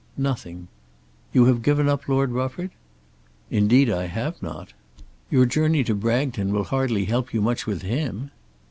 "Nothing." "You have given up Lord Rufford?" "Indeed I have not." "Your journey to Bragton will hardly help you much with him."